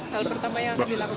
hal pertama yang dilakukan